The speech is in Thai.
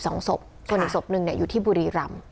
ส่วนอีกศพหนึ่งอยู่ที่บุรีรำ